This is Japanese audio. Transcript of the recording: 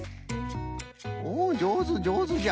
おおじょうずじょうずじゃ！